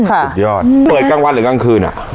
สุดยอดเปิดกลางวันหรือกลางคืนอ่ะ